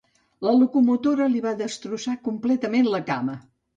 La locomotora li va destrossar completament la cama.